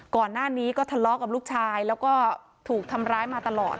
ก่อนหน้านี้ก็ทะเลาะกับลูกชายแล้วก็ถูกทำร้ายมาตลอด